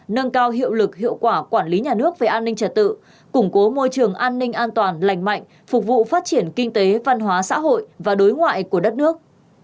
nâng cao hiệu lực hiệu quả quản lý nhà nước về an ninh trật tự củng cố môi trường an ninh an toàn lành mạnh phục vụ phát triển kinh tế văn hóa xã hội và đối ngoại của đất nước